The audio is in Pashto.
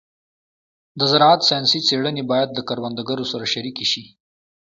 د زراعت ساینسي څېړنې باید له کروندګرو سره شریکې شي.